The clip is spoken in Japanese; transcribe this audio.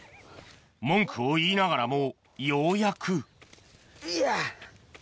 文句を言いながらもようやくいや。